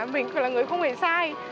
mình là người không hề sai